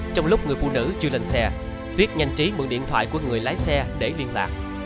trong lúc người phụ nữ chưa lên xe tuyết nhanh trí mượn điện thoại của người lái xe để liên lạc